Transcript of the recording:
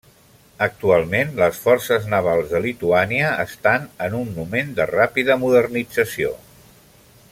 Actualment, les forces navals de Lituània estan en un moment de ràpida modernització.